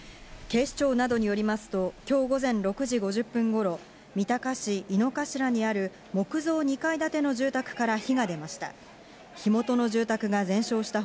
警視庁などによりますと、今日、午前６時５０分頃、三鷹市井の頭にある木造２階建ての住宅から火が出ました。